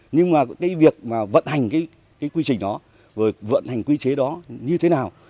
nhưng mà cái việc mà vận hành cái quy trình đó rồi vận hành quy chế đó như thế nào